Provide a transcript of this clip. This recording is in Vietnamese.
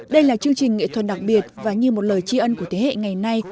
đây là chương trình nghệ thuật đặc biệt và như một lời tri ân của thế hệ ngày nay